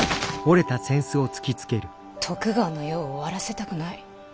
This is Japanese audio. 徳川の世を終わらせたくない。